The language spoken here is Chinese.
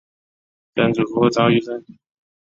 曾祖父赵愈胜。